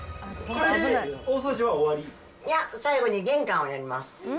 いや、最後に玄関をやります。